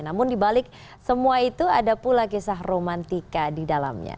namun dibalik semua itu ada pula kisah romantika di dalamnya